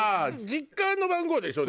実家の番号でしょ？